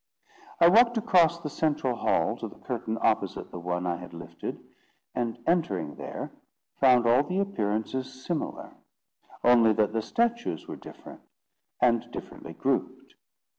I walked across the central hall to the curtain opposite the one I had lifted, and, entering there, found all the appearances similar; only that the statues were different, and differently grouped.